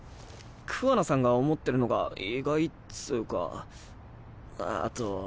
桑名さんが思ってるのが意外っつぅかあっと。